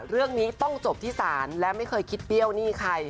เรื่องนี้ต้องจบที่ศาลและไม่เคยคิดเบี้ยวหนี้ใคร